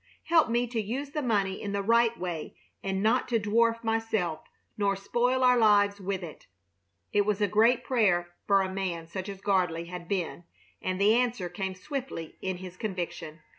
Help me to use the money in the right way and not to dwarf myself, nor spoil our lives with it." It was a great prayer for a man such as Gardley had been, and the answer came swiftly in his conviction.